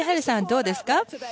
どうですか？